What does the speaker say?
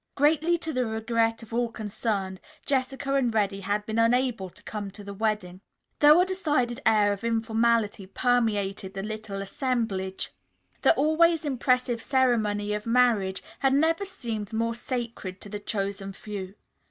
Greatly to the regret of all concerned, Jessica and Reddy had been unable to come to the wedding. Though a decided air of informality permeated the little assemblage, the always impressive ceremony of marriage had never seemed more sacred to the chosen few.